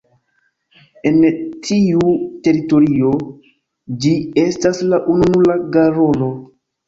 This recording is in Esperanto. En tiu teritorio ĝi estas la ununura garolo.